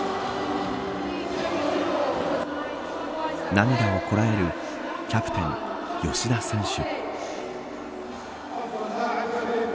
涙をこらえるキャプテン、吉田選手。